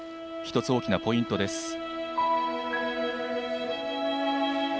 １つ大きなポイントです。